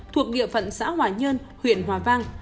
thuộc địa phận xã hòa nhơn huyện hòa vang